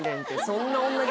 そんな女